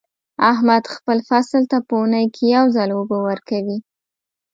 احمد خپل فصل ته په اونۍ کې یو ځل اوبه ورکوي.